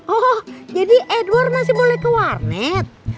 oh jadi edward masih boleh ke warnet